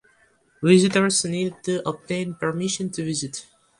Visitors need to obtain permission to visit.